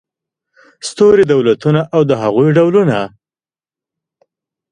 ستوري دولتونه او د هغوی ډولونه